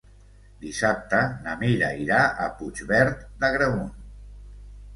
Dissabte na Mira irà a Puigverd d'Agramunt.